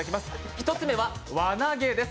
１つ目には輪投げです。